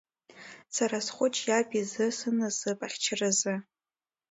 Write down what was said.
Сара схәыҷ иаб изы, сынасыԥ ахьчаразы…